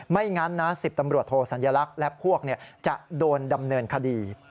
ไม่งั้นนะ๑๐ตำรวจโทสัญลักษณ์และพวกจะโดนดำเนินคดี